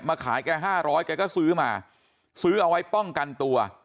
มาขายแก่ห้าร้อยแกก็ซื้อมาซื้อเอาไว้ป้องกันตัว